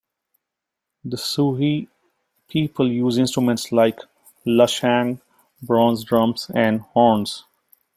The Shui people use instruments like the lusheng, bronze drums and horns.